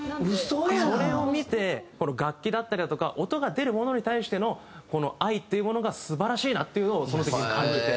それを見て楽器だったりだとか音が出るものに対しての愛っていうものが素晴らしいなっていうのをその時に感じて。